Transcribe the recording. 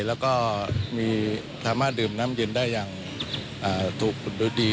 และก็มีธรรมาศดื่มน้ำเย็นได้อย่างถูกโดยดี